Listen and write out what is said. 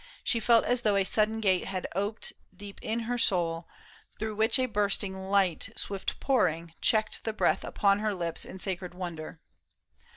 She felt as though a sudden gate had oped Deep in her soul, through which a bursting light Swift pouring, checked the breath upon her lips In sacred wonder.